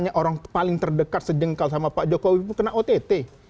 hanya orang paling terdekat sejengkal sama pak jokowi kena ott